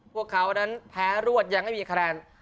พวกเขานั้นแพ้รวดยังไม่มีคะแนน